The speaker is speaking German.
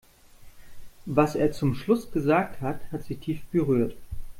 Was er zum Schluss gesagt hat, hat sie tief berührt.